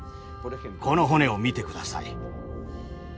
この骨を見て下さい。